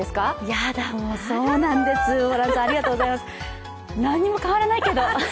やだ、もうそうなんですホランさん、ありがとうございます何も変わらないけど。